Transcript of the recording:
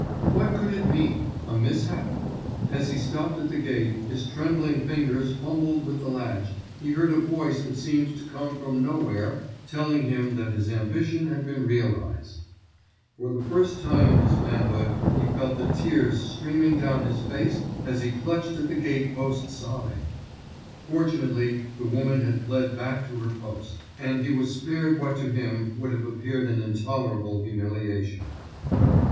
What could it mean—a mishap? As he stopped at the gate, his trembling fingers fumbling with the latch, he heard a voice that seemed to come from no where telling him that his ambition had been realised. For the first time in his manhood he felt the tears streaming down his face as he clutched at the gate post sobbing. Fortunately the woman had fled back to her post, and he was spared what to him would have appeared an intolerable humiliation.